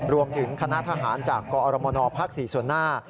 รวมถึงคณะทหารจากกอรมนภ๔ส่วนหน้า